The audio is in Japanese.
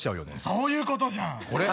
そういうことじゃんこれ？